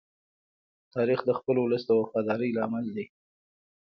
تاریخ د خپل ولس د وفادارۍ لامل دی.